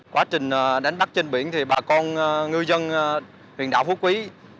quá trình đánh bắt trên biển thì bà con ngư dân biển đảo phú quý